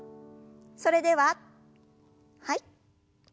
それでははい。